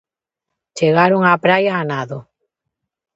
Chegaron á praia á nado.